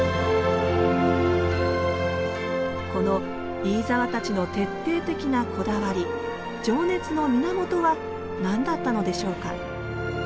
この飯沢たちの徹底的なこだわり情熱の源は何だったのでしょうか。